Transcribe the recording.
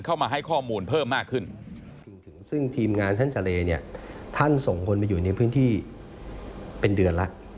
เข้ามาให้ข้อมูลเพิ่มมากขึ้น